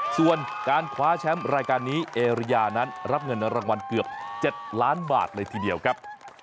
ส่วนการคว้าแชมป์รายการนี้เอริยานั้นรับเงินรางวัลเกือบ๗ล้านบาทเลยทีเดียวครับ